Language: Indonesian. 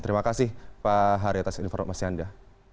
terima kasih pak haritas informasi anda